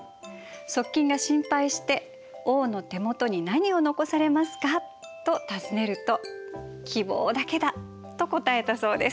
側近が心配して「王の手元に何を残されますか」と尋ねると「希望だけだ」と答えたそうです。